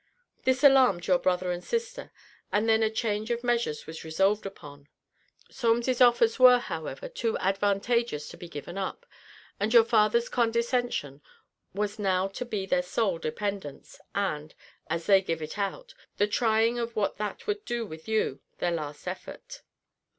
'This alarmed your brother and sister, and then a change of measures was resolved upon. Solmes's offers were, however, too advantageous to be given up; and your father's condescension was now to be their sole dependence, and (as they give it out) the trying of what that would do with you, their last effort.'